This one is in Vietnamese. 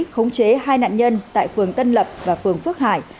khống chế hai nạn nhân tại phường tân lập và phường phước hải